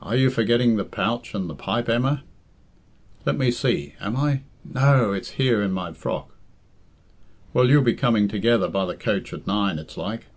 "Are you forgetting the pouch and pipe, Emma?" "Let me see; am I? No; it's here in my frock." "Well, you'll be coming together by the coach at nine, it's like?"